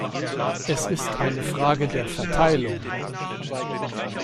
Es ist eine Frage der Verteilung.